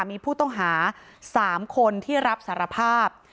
มีผู้ต้องหา๓คนที่รับสารภาพ